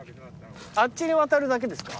あっちに渡るだけですか？